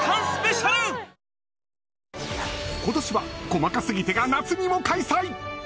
今年は「細かすぎて」が夏にも開催。